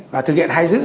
và thực hiện hai giữ